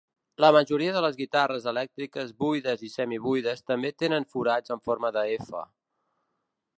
La majoria de les guitarres elèctriques buides i semi-buides també tenen forats en forma de F.